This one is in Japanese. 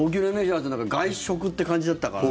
外食って感じだったからね。